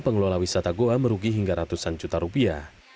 pengelola wisata goa merugi hingga ratusan juta rupiah